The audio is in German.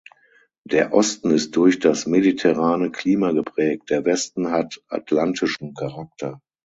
Der Osten ist durch das mediterrane Klima geprägt, der Westen hat atlantischen Charakter.